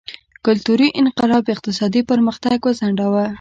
کلتوري انقلاب اقتصادي پرمختګ وځنډاوه.